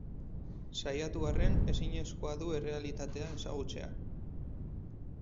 Saiatu arren ezinezkoa du errealitatea ezagutzea.